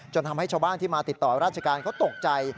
ทำให้ชาวบ้านที่มาติดต่อราชการเขาตกใจ